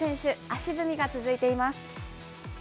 足踏みが続いています。